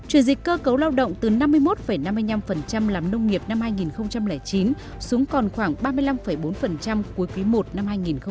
chuyển dịch cơ cấu lao động từ năm mươi một năm mươi năm làm nông nghiệp năm hai nghìn chín xuống còn khoảng ba mươi năm bốn cuối quý i năm hai nghìn một mươi chín